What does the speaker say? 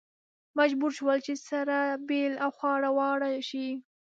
مجبور شول چې سره بېل او خواره واره شي.